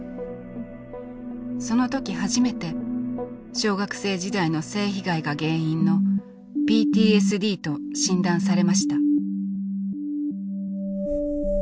その時初めて小学生時代の性被害が原因のＰＴＳＤと診断されました。